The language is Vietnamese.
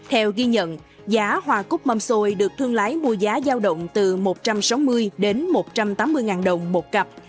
theo ghi nhận giá hoa cút mâm xôi được thân lái mua giá giao động từ một trăm sáu mươi một trăm tám mươi ngàn đồng một cặp